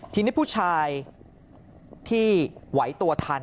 ทีนี้ผู้ชายที่ไหวตัวทัน